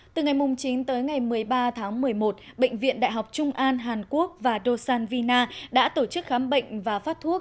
từ ngày chín tới ngày một mươi ba tháng một mươi một bệnh viện đại học trung an hàn quốc và do san vina đã tổ chức khám bệnh và phát thuốc